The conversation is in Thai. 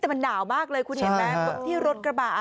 แต่มันหนาวมากเลยคุณเห็นไหมตรงที่รถกระบะ